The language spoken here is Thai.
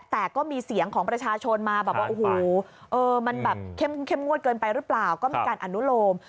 แต่ก็มีเสียงของประชาชนมาแบบว่าโอ้โหมันแบบเข้มงวดเกินไปหรือเปล่าก็มีการอนุโลม